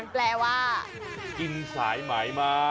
กินสายไหมมา